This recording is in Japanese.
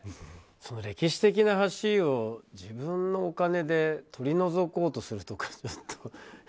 歴史的な橋を自分のお金で取り除こうとするとかちょっと。